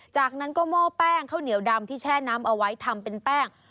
จากนั้นก็หม้อแป้งข้าวเหนียวดำที่แช่น้ำเอาไว้ทำเป็นแป้ง